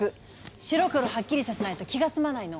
白黒はっきりさせないと気が済まないの。